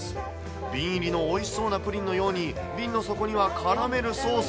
瓶入りのおいしそうなプリンのように瓶の底にはカラメルソース。